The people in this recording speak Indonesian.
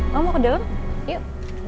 mau ke dalam